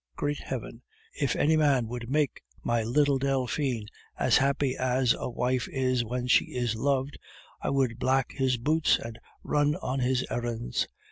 Great Heaven! If any man would make my little Delphine as happy as a wife is when she is loved, I would black his boots and run on his errands.